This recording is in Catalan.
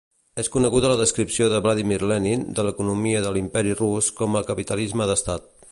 És coneguda la descripció de Vladimir Lenin de l'economia de l'Imperi Rus com a capitalisme d'estat.